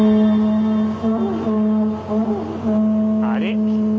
あれ？